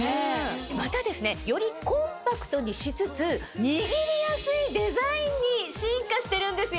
またですねよりコンパクトにしつつ握りやすいデザインに進化してるんですよ。